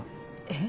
え？